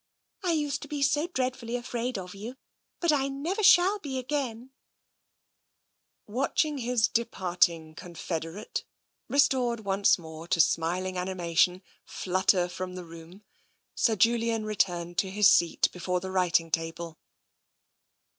I used to be so dreadfully afraid of you — but I never shall be again !" Watching his departing confederate, restored once more to smiling animation, flutter from the room, Julian returned to his seat before the writing table.